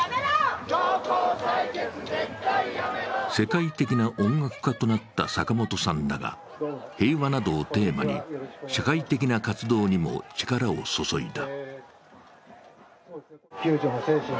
世界的な音楽家となった坂本さんだが、平和などをテーマに社会的な活動にも力を注いだ。